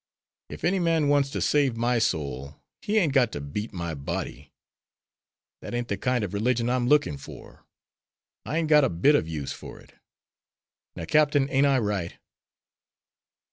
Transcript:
If any man wants to save my soul he ain't got to beat my body. That ain't the kind of religion I'm looking for. I ain't got a bit of use for it. Now, Captain, ain't I right?"